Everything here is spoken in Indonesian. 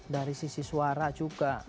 dari sisi suara juga